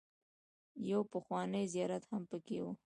يو پخوانی زيارت هم پکې و.